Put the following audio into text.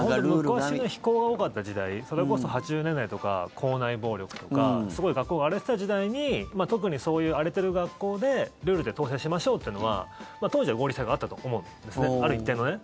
昔の非行が多かった時代それこそ８０年代とか校内暴力とかすごい学校が荒れてた時代に特にそういう荒れてる学校でルールで統制しましょうっていうのは当時は合理性があったと思うんですね、ある一定のね。